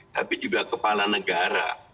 tapi juga kepala negara